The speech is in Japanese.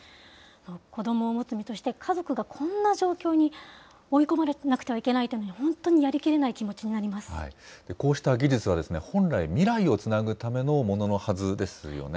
子どもを持つ身として、家族がこんな状況に追い込まれなくてはいけないというのは本当にこうした技術は本来、未来をつなぐためのもののはずですよね。